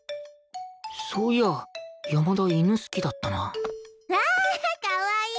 そういや山田犬好きだったなわあかわいい！